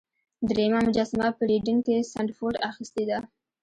دریمه مجسمه په ریډینګ کې سنډفورډ اخیستې ده.